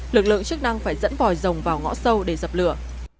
lực lượng chức năng phải dẫn vòi rồng vào ngõ sâu để dập lửa